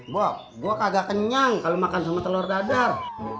bob gua kagak kenyang kalo makan sama telor dadar